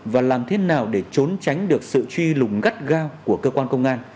và làm thế nào để trốn tránh được sự truy lùng gắt gao của cơ quan công an